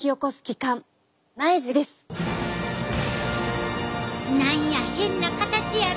なんや変な形やろ。